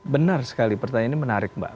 benar sekali pertanyaan ini menarik mbak